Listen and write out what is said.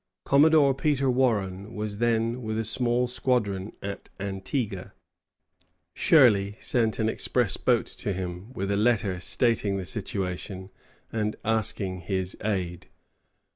Commodore Peter Warren was then with a small squadron at Antigua. Shirley sent an express boat to him with a letter stating the situation and asking his aid.